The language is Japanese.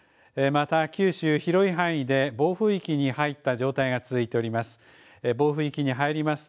また、九州、広い範囲で暴風域に入った状態が続いております。